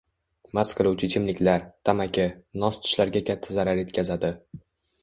Mast qiluvchi ichimliklar, tamaki, nos tishlarga katta zarar yetkazadi.